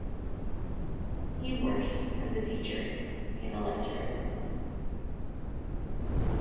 He worked as a teacher and lecturer.